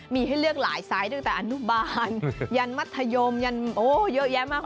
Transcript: มีให้เลือกหลายทรายจังแต่อนุบาลยันต์มัธยมไม่เท่าไหร่